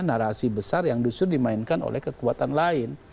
narasi besar yang justru dimainkan oleh kekuatan lain